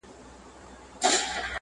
او زه په سلګو سلګو ژاړم